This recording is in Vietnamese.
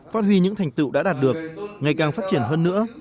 phát huy những thành tựu đã đạt được ngày càng phát triển hơn nữa